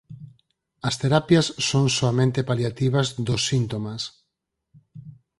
As terapias son soamente paliativas dos síntomas.